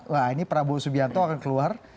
wah ini prabowo subianto akan keluar